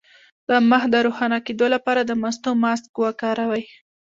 د مخ د روښانه کیدو لپاره د مستو ماسک وکاروئ